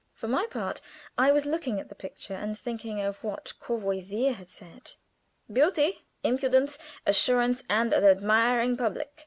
For my part, I was looking at the picture and thinking of what Courvoisier had said: "Beauty, impudence, assurance, and an admiring public."